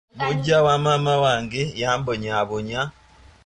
Muggya wamaama wange yambonyaabonya.